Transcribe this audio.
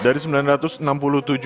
dan selamat usai menunaikan ibadah haji